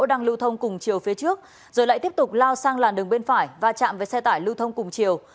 đang lưu thông cùng chiều phía trước rồi lại tiếp tục lao sang làn đường bên phải và chạm với xe tải lưu thông cùng chiều